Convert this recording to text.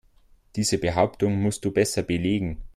Diese Behauptung musst du besser belegen.